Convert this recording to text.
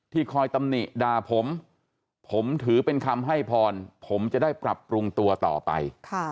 คอยตำหนิด่าผมผมถือเป็นคำให้พรผมจะได้ปรับปรุงตัวต่อไป